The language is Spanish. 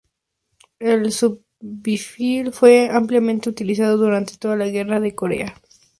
El subfusil fue ampliamente utilizado durante toda la Guerra de Corea.